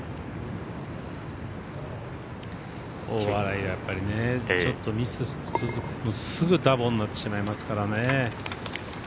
大洗はやっぱりちょっとミス続くとすぐダボになってしまいますからね。